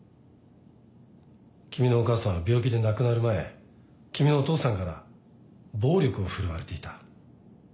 君のお母さんは病気で亡くなる前君のお父さんから暴力を振るわれていた。